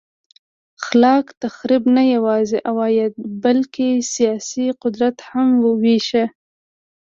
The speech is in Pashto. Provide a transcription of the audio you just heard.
خلاق تخریب نه یوازې عواید بلکه سیاسي قدرت هم وېشه.